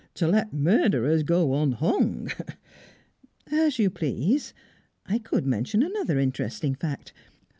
To let murderers go unhung " "As you please. I could mention another interesting fact.